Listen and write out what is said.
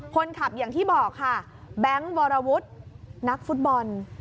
คนขับอย่างที่บอกค่ะแบงค์วรวุฒินักฟุตบอล